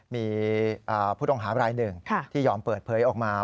มีผู้ต้องหารายหนึ่งที่ยอมเปิดเผยออกมา